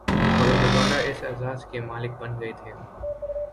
مگر دوبارہ اس اعزاز کے مالک بن گئے تھے